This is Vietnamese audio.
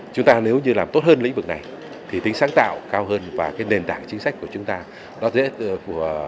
chúng ta nếu như làm tốt hơn lĩnh vực này thì tính sáng tạo cao hơn và nền tảng chính sách của chúng ta dễ thích ứng hơn